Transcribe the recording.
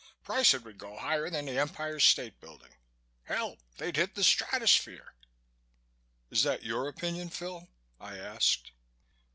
Prices would go higher than the Empire State Building. Hell! They'd hit the stratosphere." "Is that your opinion, Phil?" I asked.